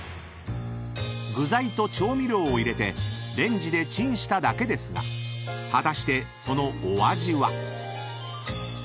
［具材と調味料を入れてレンジでチンしただけですが果たしてそのお味は？］